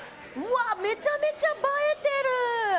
めちゃめちゃ映えてる！